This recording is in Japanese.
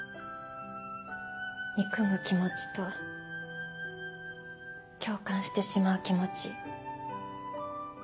憎む気持ちと共感してしまう気持ち。